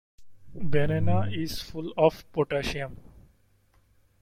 Banana is full of potassium.